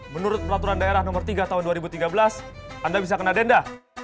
menurut peraturan daerah nomor tiga tahun dua ribu tiga belas anda bisa kena denda